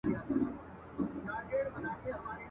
سل ځله مي وایستل توبه له لېونتوب څخه ..